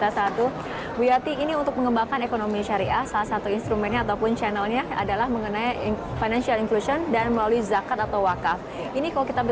sampai jumpa di video selanjutnya